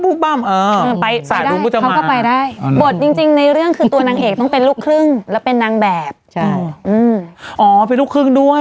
อู้วงเอ็นจิส